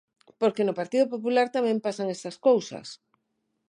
Porque no Partido Popular tamén pasan esas cousas.